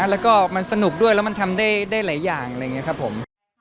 แล้วก็มันสนุกด้วยแล้วมันทำได้หลายอย่างอะไรอย่างนี้ครับผม